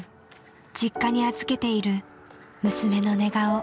実家に預けている娘の寝顔。